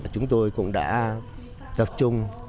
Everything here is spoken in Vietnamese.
chúng tôi cũng đã tập trung